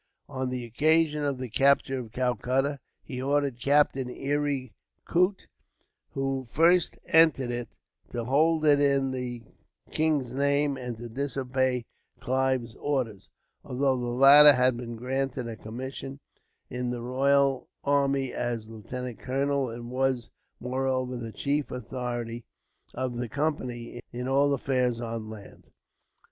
On the occasion of the capture of Calcutta, he ordered Captain Eyre Coote, who first entered it, to hold it in the king's name, and to disobey Clive's orders, although the latter had been granted a commission in the royal army as lieutenant colonel, and was, moreover, the chief authority of the Company in all affairs on land.